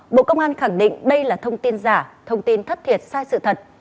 bộ công an khẳng định đây là thông tin giả thông tin thất thiệt sai sự thật